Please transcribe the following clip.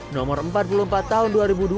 nomor empat puluh empat tahun dua ribu dua